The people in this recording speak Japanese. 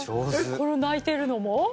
この泣いてるのも？